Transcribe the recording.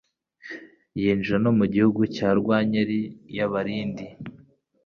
yinjira no mu gihugu cya Rwankeli y'Abarindi,